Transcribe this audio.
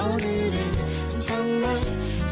อุ๊ย